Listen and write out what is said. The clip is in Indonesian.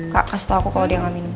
kak kasih tau aku kalo dia nggak minum